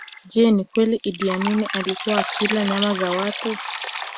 Je ni kweli Iddi Amini alikuwa akila nyama za watu